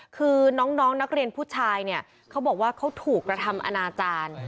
คือน้องนักเรียนผู้ชายเนี่ยเขาบอกว่าเขาถูกกระทำอนาจารย์